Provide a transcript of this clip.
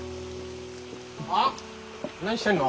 あっ何してんの？